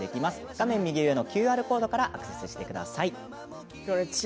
画面右上のＱＲコードから見てください。